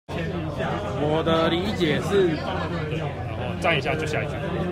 我的理解是